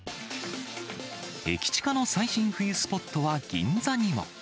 駅地下の最新冬スポットは銀座にも。